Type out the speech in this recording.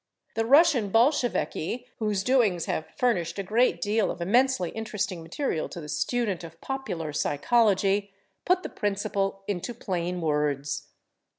The Russian Bolsheviki, whose doings have furnished a great deal of immensely interesting material to the student of popular psychology, put the principle into plain words.